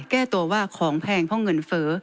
แก้ตัวว่าของแพงเพราะเงินเฟ้อ